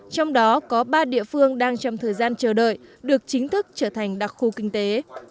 trong đó có ba địa phương đang trong thời gian chờ đợi được chính thức trở thành đặc khu kinh tế